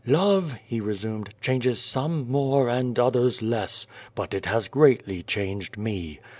"Love," he resumed, "changes some more, and others less But it has greatly changed me.